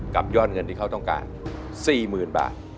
กับยอดเงินที่เขาต้องการสี่หมื่นบาท